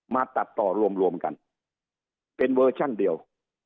มาตัดต่อรวมรวมกันเป็นเวอร์ชันเดียว